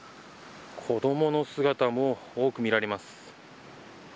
子どもの姿も多く見られます。